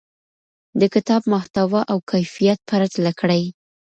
د کتاب محتوا او کیفیت پرتله کړئ.